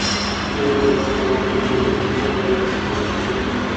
যথাযোগ্য ধর্মীয় অনুশীলনের মধ্য দিয়ে গতকাল শুক্রবার রাতে পালিত হয়েছে পবিত্র শবে কদর।